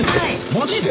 マジで？